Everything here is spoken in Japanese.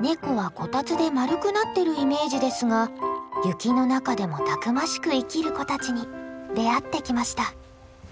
ネコはこたつで丸くなってるイメージですが雪の中でもたくましく生きる子たちに出会ってきました。